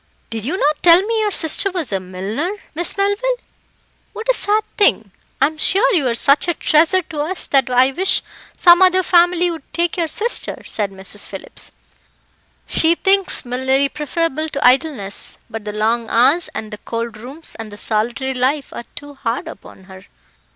"Did you not tell me your sister was a milliner, Miss Melville? What a sad thing. I am sure you are such a treasure to us that I wish some other family would take your sister," said Mrs. Phillips. "She thinks millinery preferable to idleness; but the long hours, and the cold rooms, and the solitary life are too hard upon her."